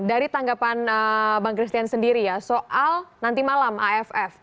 dari tanggapan bang christian sendiri ya soal nanti malam aff